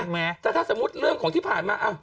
แม้แต่ถ้าสมมุติเรื่องของที่ผ่านมา